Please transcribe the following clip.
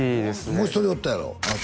もう一人おったやろあっ